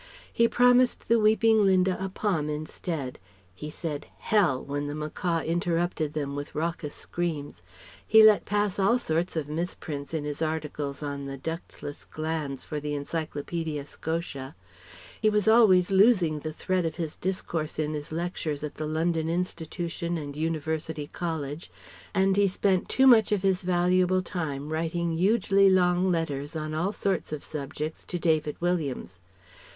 He promised the weeping Linda a Pom instead; he said "Hell!" when the macaw interrupted them with raucous screams. He let pass all sorts of misprints in his article on the Ductless Glands for the Encyclopaedia Scotica, he was always losing the thread of his discourse in his lectures at the London Institution and University College; and he spent too much of his valuable time writing hugely long letters on all sorts of subjects to David Williams.